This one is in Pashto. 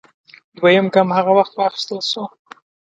دویم ګام هغه وخت واخیستل شو